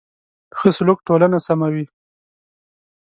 ښه سلوک ټولنه سموي.